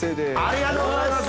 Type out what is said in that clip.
ありがとうございます！